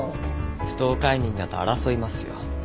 不当解任だと争いますよ。